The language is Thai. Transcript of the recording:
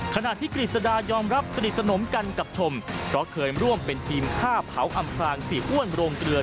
ขณะที่กฤษดายอมรับสนิทสนมกันกับชมเพราะเคยร่วมเป็นทีมฆ่าเผาอำพลางเสียอ้วนโรงเกลือ